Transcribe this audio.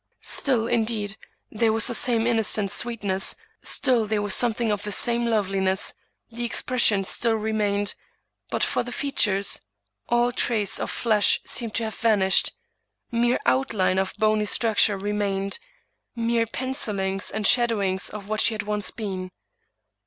Still, indeed, there was the same innocent sweetness; still there was something of the same loveliness; the expression still remained; but for the fea tures — ^all trace of flesh seemed to have vanished; mere outline of bony structure remained; mere pencilings and shadowings of what she once had been.